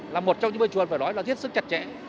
là một trong những môi trường phải nói là thiết sức chặt chẽ